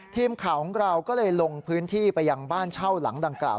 ทีมข่าวของเราก็เลยลงพื้นที่ไปยังบ้านเช่าหลังดังกล่าว